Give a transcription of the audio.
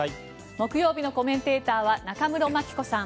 木曜日のコメンテーターは中室牧子さん